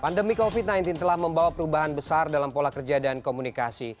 pandemi covid sembilan belas telah membawa perubahan besar dalam pola kerja dan komunikasi